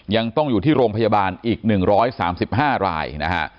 ยังต้องอยู่ที่โรงพยาบาลอีก๑๓๕รายนะฮะ